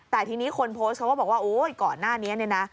แต่ทีนี้คนโพสต์เขาก็บอกว่าก่อนหน้านี้นะ